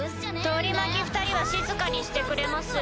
取り巻き二人は静かにしてくれます？